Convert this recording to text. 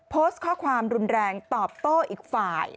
โพสต์ข้อความรุนแรงตอบโต้อีกฝ่าย